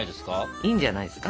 いいんじゃないですか。